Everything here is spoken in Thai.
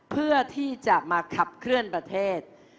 เพื่อที่จะมาขับเคลื่อนประเทศ